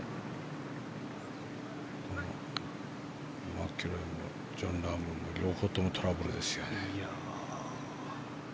マキロイもジョン・ラームも両方ともトラブルですね。